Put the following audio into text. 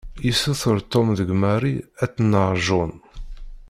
Yessuter Tom deg Mary ad tneɣ john.